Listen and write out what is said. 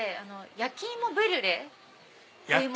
焼き芋ブリュレ？